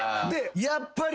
やっぱり。